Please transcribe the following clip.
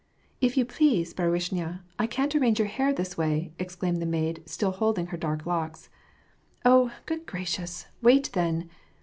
" If you please, baruishnya, I can't arrange your hair this w2Ly" exclaimed the maid, still holding her dark locks. " Oh, good gracious, wait then